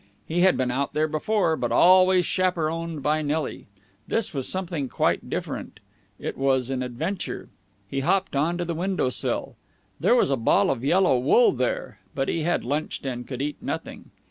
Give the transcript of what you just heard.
He had been out there before, but always chaperoned by Nelly. This was something quite different. It was an adventure. He hopped on to the window sill. There was a ball of yellow wool there, but he had lunched and could eat nothing.